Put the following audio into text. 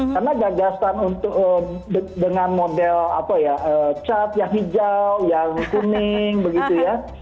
karena gagasan untuk dengan model apa ya cat yang hijau yang kuning begitu ya